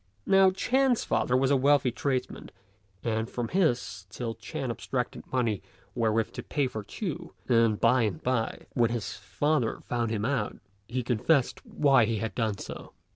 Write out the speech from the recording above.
Now Ch'ên's father was a wealthy tradesman, and from his till Ch'ên abstracted money wherewith to pay for Ch'u; and by and by, when his father found him out, he confessed why he had done so.